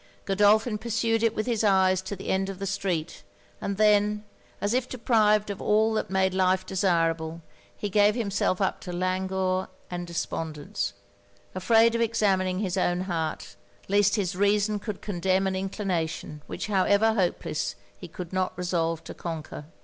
Godolphin pursued it with his eyes to the end of the street; and then, as if deprived of all that made life desirable, he gave himself up to languor and despondence, afraid of examining his own heart, least his reason should condemn an inclination, which, however hopeless, he could not resolve to conquer.